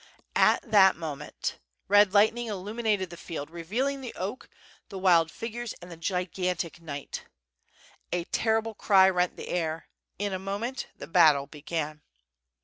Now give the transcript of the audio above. At that moment red lightning illumined the field, revealing the oak, the wild figures, and the gigantic knight. A terrible cry rent the air, in a moment the battle began.